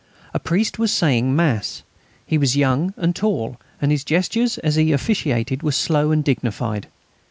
A priest was saying mass. He was young and tall, and his gestures as he officiated were slow and dignified.